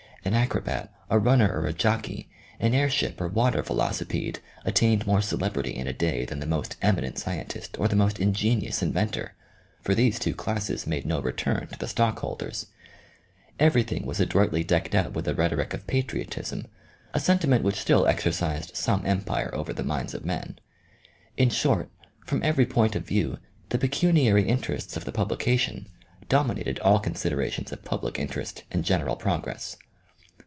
An acrobat, a runner or a jockey, an air ship or water velocipede, attained more celebrity in a day than the most eminent scientist, or the most ingenious inventor for these two classes made no return to the stockholders. Everything was adroitly decked out with the rhetoric of patriotism, a sentiment which still ex ercised some empire over the minds of men. In short, from every point of view, the pecuniary interests of the publication dominated all considerations of public interest i8 OMEGA . and general progress.